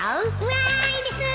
わいです！